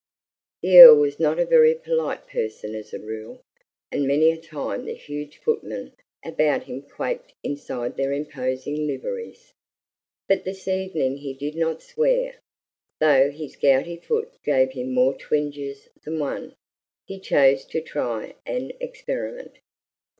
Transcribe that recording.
The Earl was not a very polite person as a rule, and many a time the huge footmen about him quaked inside their imposing liveries. But this evening he did not swear, though his gouty foot gave him more twinges than one. He chose to try an experiment.